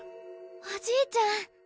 おじいちゃん！